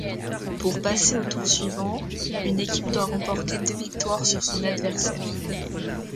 Pour passer au tour suivant, une équipe doit remporter deux victoires sur son adversaire.